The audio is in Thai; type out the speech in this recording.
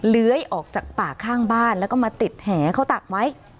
เลื้อยออกจากป่าข้างบ้านแล้วก็มาติดแหเขาตักไว้